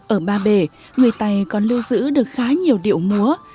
ở ba bể người tày còn lưu giữ được khá nhiều điệu múa